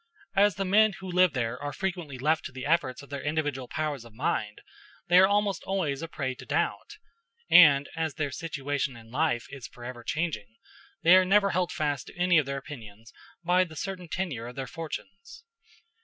As the men who live there are frequently left to the efforts of their individual powers of mind, they are almost always a prey to doubt; and as their situation in life is forever changing, they are never held fast to any of their opinions by the certain tenure of their fortunes.